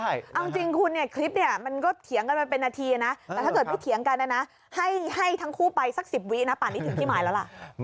ให้ทั้งคู่ไปสัก๑๐วีนะป่านนี้ถึงที่หมายแล้วล่ะ